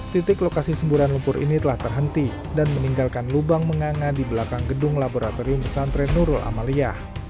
titik lokasi semburan lumpur ini telah terhenti dan meninggalkan lubang menganga di belakang gedung laboratorium pesantren nurul amaliyah